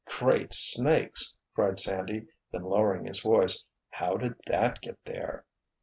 "Great snakes!" cried Sandy, then lowering his voice. "How did that get there?"